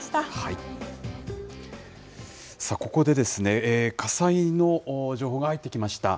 ここで、火災の情報が入ってきました。